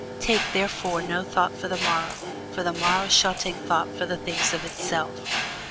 Take therefore no thought for the morrow: for the morrow shall take thought for the things of itself.